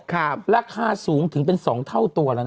ราคาสูงถึงเป็นสองเท่าตัวแล้วนะ